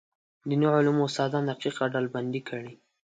دیني علومو استادان دقیقه ډلبندي کړي.